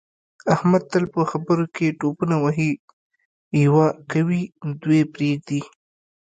احمد تل په خبروکې ټوپونه وهي یوه کوي دوې پرېږدي.